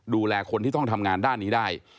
ดูแลคนที่ต้องทำงานด้านนี้ได้